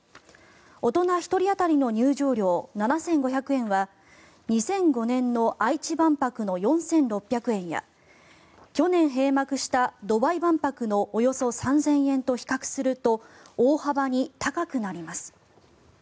大人１人当たりの入場料７５００円は２００５年の愛知万博の４６００円や去年閉幕したドバイ万博のおよそ３０００円と比較すると大幅に高くなります。